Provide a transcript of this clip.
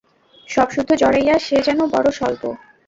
সবসুদ্ধ জড়াইয়া সে যেন বড়ো স্বল্প।